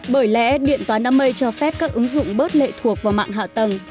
bởi lẽ điện toán đám mây cho phép các ứng dụng bớt lệ thuộc vào mạng hạ tầng